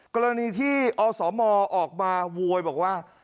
กรณีที่อสมออกมาโวยบอกว่า